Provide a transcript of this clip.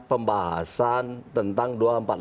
pembahasan tentang dua ratus empat puluh lima